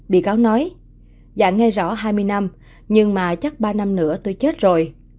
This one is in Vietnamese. bị cáo nói dạ nghe rõ hai mươi năm nhưng mà chắc ba năm nữa tôi chết rồi